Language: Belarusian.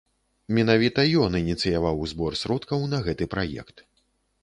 Менавіта ён ініцыяваў збор сродкаў на гэты праект.